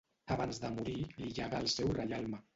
Abans de morir li llegà el seu reialme.